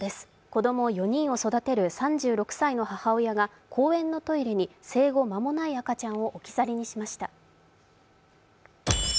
子供４人を育てる３６歳の母親が、公園のトイレに生後間もない赤ちゃんを置き去りにしました。